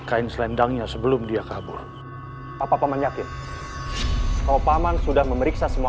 ada satu kamar yang hamba belum periksa